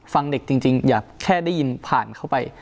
ฟังเด็กจริงอย่าแค่ได้ยินผ่านเข้าไป